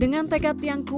dengan tekad yang kuat